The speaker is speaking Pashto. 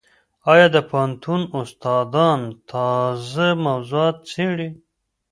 ایا د پوهنتون استادان تازه موضوعات څېړي؟